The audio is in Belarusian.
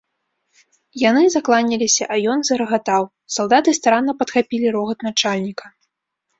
Яны закланяліся, а ён зарагатаў, салдаты старанна падхапілі рогат начальніка.